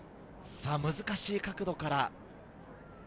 難しい角度から。